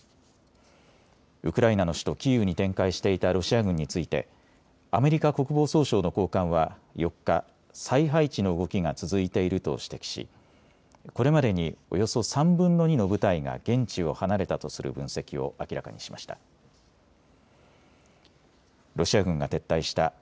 ウクライナの首都キーウに展開していたロシア軍についてアメリカ国防総省の高官は４日、再配置の動きが続いていると指摘しこれまでにおよそ３分の２の部隊が現地を離れたとする分析を明らかにしました。